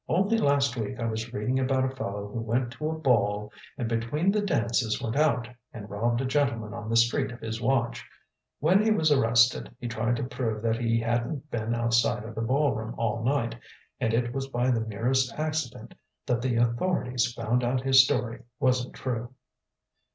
Only last week I was reading about a fellow who went to a ball, and between the dances went out and robbed a gentleman on the street of his watch. When he was arrested, he tried to prove that he hadn't been outside of the ballroom all night, and it was by the merest accident that the authorities found out his story wasn't true."